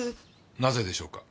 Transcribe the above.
なぜでしょうか？